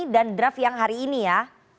dan draft yang hari ini ya